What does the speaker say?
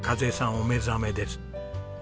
お目覚めです。